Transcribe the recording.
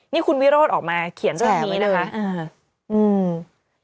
นี่คุณวิโรธออกมาเขียนแบบนี้นะคะ